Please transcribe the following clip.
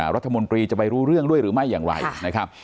รัฐมนตรีจะไปรู้เรื่องด้วยหรือไม่อย่างไรนะครับ